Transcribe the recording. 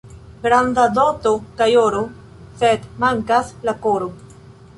Granda doto kaj oro, sed mankas la koro.